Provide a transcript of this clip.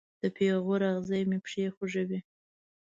د پیغور اغزې مې پښې خوږوي